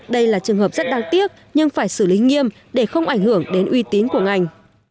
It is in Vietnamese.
đây là trường hợp rất đáng tiếc nhưng phải xử lý nghiêm để không ảnh hưởng đến uy tín của ngành